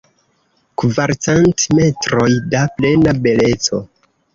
Kvarcent metroj da plena beleco.